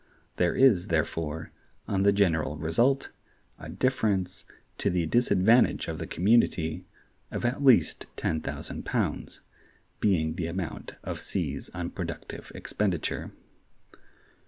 There is, therefore, on the general result, a difference, to the disadvantage of the community, of at least ten thousand pounds, being the amount of C's unproductive expenditure.